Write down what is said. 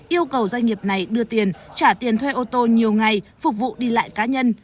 yêu cầu doanh nghiệp này đưa tiền trả tiền thuê ô tô nhiều ngày phục vụ đi lại cá nhân